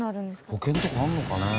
保険とかあるのかね？